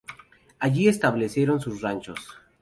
Allí establecieron sus ranchos.